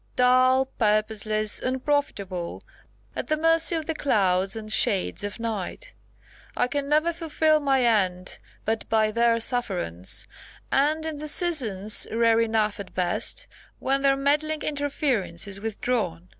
Dull, purposeless, unprofitable, at the mercy of the clouds and shades of night; I can never fulfil my end but by their sufferance, and in the seasons, rare enough at best, when their meddling interference is withdrawn.